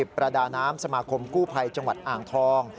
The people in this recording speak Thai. ประดาน้ำสมาคมกู้ภัยจังหวัดอ่างทอง